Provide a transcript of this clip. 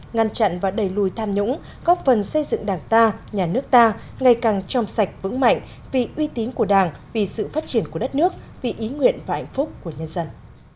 ngăn chặn và đẩy lùi tham nhũng góp phần xây dựng đảng ta nhà nước ta ngày càng trong sạch vững mạnh vì uy tín của đảng vì sự phát triển của đất nước vì ý nguyện và hạnh phúc của nhân dân